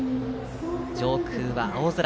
上空は青空。